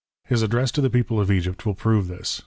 His address to the people of Egypt will prove this.